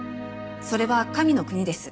それは神の国です。